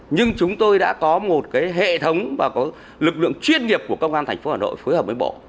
nhưng chúng tôi đã có một hệ thống và có lực lượng chuyên nghiệp của công an thành phố hà nội phối hợp với bộ